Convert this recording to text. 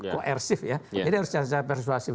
koersif ya jadi harus secara persuasif